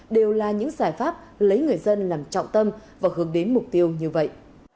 đều là những giải pháp lấy người dân làm trọng tâm và hướng đến mục tiêu như vậy